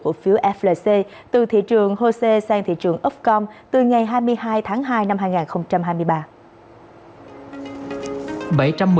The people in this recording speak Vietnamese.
các cổ phiếu flc sẽ được chuyển từ thị trường nimitz hồ dê sang thị trường opcom từ ngày hai mươi hai tháng hai năm hai nghìn hai mươi ba